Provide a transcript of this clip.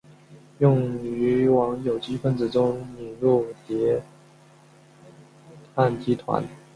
用于往有机分子中引入叠氮基团。